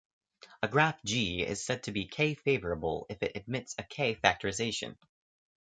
A graph "G" is said to be "k"-factorable if it admits a "k"-factorization.